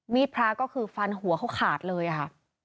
พระก็คือฟันหัวเขาขาดเลยค่ะ